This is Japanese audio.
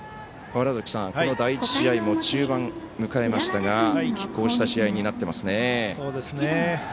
この第１試合も中盤を迎えましたがきっ抗した試合になっていますね。